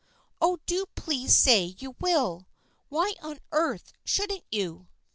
Oh, do please say you will ! Why on earth shouldn't you?"